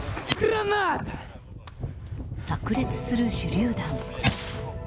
炸裂する手りゅう弾。